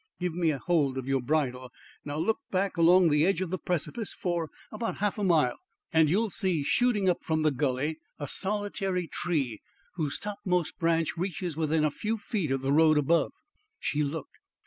give me hold of your bridle. Now look back along the edge of the precipice for about half a mile, and you will see shooting up from the gully a solitary tree whose topmost branch reaches within a few feet of the road above." She looked.